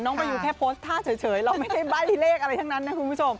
น้องมายูแค่โพสต์ภาพเฉยเราไม่ได้บ้านที่เลขอะไรทั้งนั้นนะคุณผู้ชม